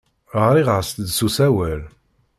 Ɣriɣ-as-d s usawal.